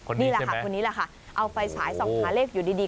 คนนี้ใช่ไหมครับคนนี้แหละค่ะเอาไฟสายสองหาเลขอยู่ดี